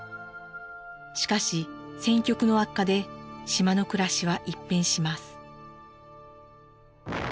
しかし戦局の悪化で島の暮らしは一変します。